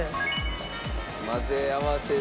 混ぜ合わせる。